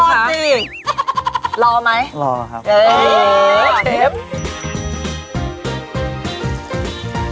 ตอนนี้เราก็ได้หอยเชลล์ที่ทอบจนสุกของเป็นที่เรียบร้อยแล้ว